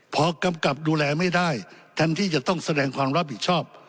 พอกำกับดูแลไม่ได้แทนที่จะต้องแสดงความรับผิดชอบ